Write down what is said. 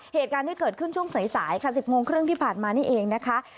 เหตุการณ์ที่เกิดขึ้นช่วงสายค่ะ๑๐โมงครึ่งที่ผ่านมานี่เองนะคะ